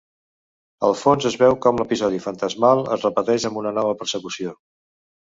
Al fons es veu com l'episodi fantasmal es repeteix amb una nova persecució.